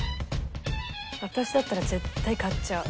私だったら絶対買っちゃう。